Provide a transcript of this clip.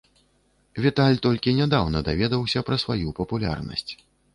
Віталь толькі нядаўна даведаўся пра сваю папулярнасць.